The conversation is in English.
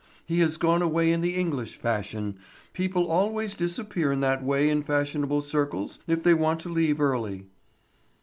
He has gone away in the English fashion; people always disappear in that way in fashionable circles if they want to leave early."